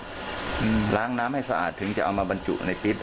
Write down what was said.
ว่าล้างน้ำให้สะอาดถึงจะเอามาแบรนด์จุในปีส